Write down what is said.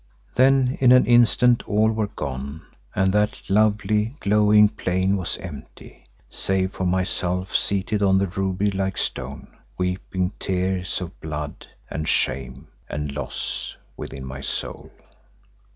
Then in an instant all were gone and that lovely, glowing plain was empty, save for myself seated on the ruby like stone, weeping tears of blood and shame and loss within my soul.